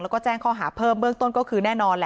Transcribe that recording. แล้วก็แจ้งข้อหาเพิ่มเบื้องต้นก็คือแน่นอนแหละ